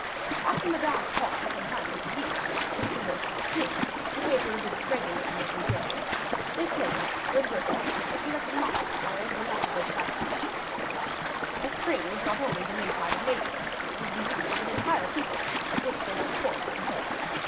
After Madame had talked for some time with De Guiche, she conversed with the king, who paid her a visit regularly every day. They played, wrote verses, or selected mottoes or emblematical devices; this spring was not only the Maytide of nature, it was the youth of an entire people, of which those at court were the head.